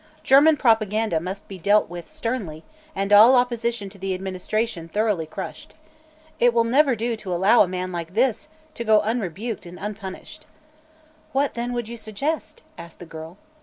German propaganda must be dealt with sternly and all opposition to the administration thoroughly crushed. It will never do to allow a man like this to go unrebuked and unpunished." "What, then, would you suggest?" asked the girl.